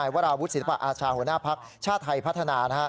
วราวุธศิษยภาคอาชาหัวหน้าภักร์ชาติไทยพัฒนา